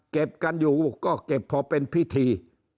เก็บกันอยู่ก็เก็บพอเป็นพิธี